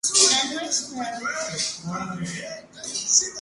Emitido en horario de tarde de lunes a viernes.